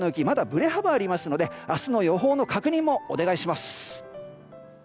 まだ振れ幅ありますので明日の予報の確認もお願いします。